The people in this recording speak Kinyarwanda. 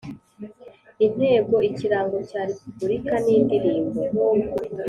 Intego, ikirango cya Repubulika n’indirimbo